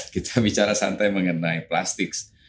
kita bicara santai mengenai plastik